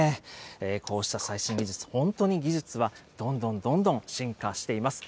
こうした最新技術、本当に技術はどんどんどんどん進化しています。